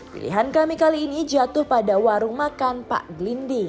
pilihan kami kali ini jatuh pada warung makan pak glendi